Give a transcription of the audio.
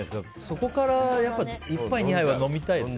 そこから１杯２杯は飲みたいですよ。